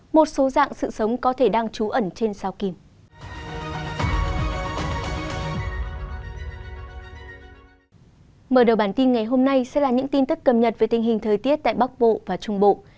mở đầu bản tin ngày hôm nay sẽ là những tin tức cập nhật về tình hình thời tiết tại bắc bộ và trung bộ